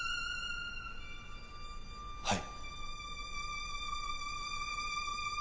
はい。